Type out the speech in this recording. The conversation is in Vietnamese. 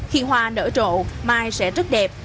khi hoa nở trộn mai sẽ rất đẹp